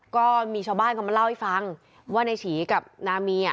ก็มีชาวบ้านก็มาเล่าให้ฟังว่านายฉีย์กับนามี